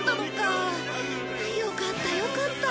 よかったよかった。